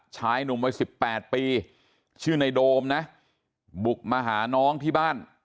ชายหนุ่มวัย๑๘ปีชื่อในโดมนะบุกมาหาน้องที่บ้าน